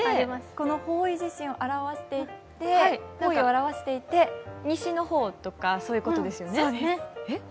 この方位を表していて西の方とか、そういうことですよね？